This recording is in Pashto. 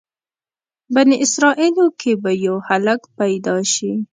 بني اسرایلو کې به یو هلک پیدا شي.